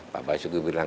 bapak juga bilang